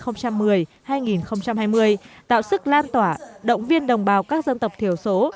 năm hai nghìn hai mươi tạo sức lan tỏa động viên đồng bào các dân tộc thiểu số